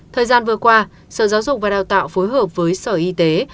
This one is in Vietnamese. thời gian vừa qua sở giáo dục và đào tạo phối hợp với sở y tế